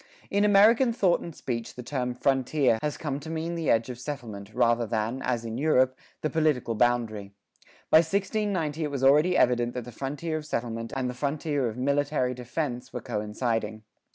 In American thought and speech the term "frontier" has come to mean the edge of settlement, rather than, as in Europe, the political boundary. By 1690 it was already evident that the frontier of settlement and the frontier of military defense were coinciding.